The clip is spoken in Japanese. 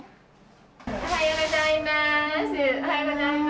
おはようございます。